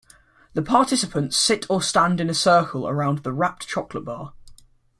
The participants sit or stand in a circle around the wrapped chocolate bar.